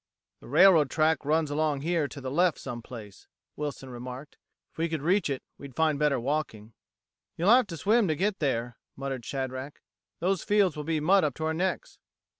"The railroad track runs along here to the left some place," Wilson remarked. "If we could reach it, we'd find better walking." "You'll have to swim to get there," muttered Shadrack. "Those fields will be mud up to our necks."